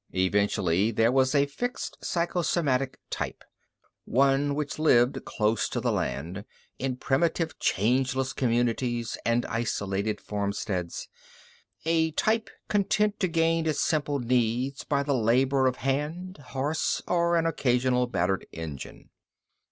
Eventually there was a fixed psychosomatic type, one which lived close to the land, in primitive changeless communities and isolated farmsteads a type content to gain its simple needs by the labor of hand, horse, or an occasional battered engine.